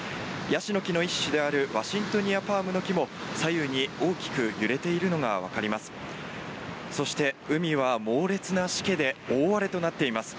ヤシの木の一種であるワシントニアパームの木も左右に大きく揺れているのが分かります。